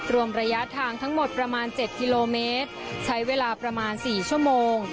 รวมระยะทางทั้งหมดประมาณ๗กิโลเมตรใช้เวลาประมาณ๔ชั่วโมง